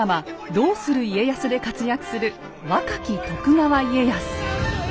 「どうする家康」で活躍する若き徳川家康。